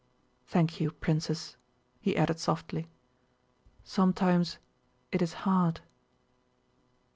"Thank you, Princess," he added softly. "Sometimes it is hard."